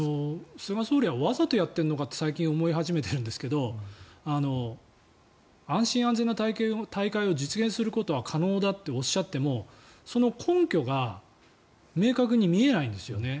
菅総理はわざとやってるのかって最近思い始めてるんですけど安心安全な大会を実現することは可能だとおっしゃっても、その根拠が明確に見えないんですよね。